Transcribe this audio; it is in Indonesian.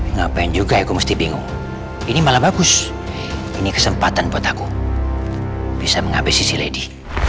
ngapain juga aku mesti bingung ini malah bagus ini kesempatan buat aku bisa menghabisi si lady